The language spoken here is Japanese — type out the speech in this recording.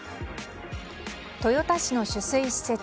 豊田市の取水施設